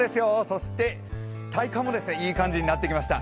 そして、体感もいい感じになってきました。